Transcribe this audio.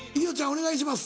お願いします。